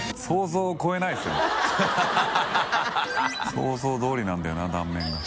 想像通りなんだよな断面が。